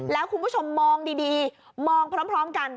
แล้วคุณผู้ชมมองดีมองพร้อมกัน